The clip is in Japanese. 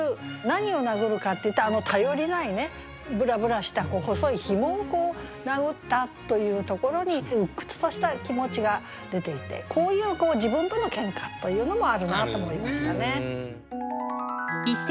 何を殴るかっていうとあの頼りないぶらぶらした細いヒモを殴ったというところに鬱屈とした気持ちが出ていてこういう自分とのケンカというのもあるなと思いましたね。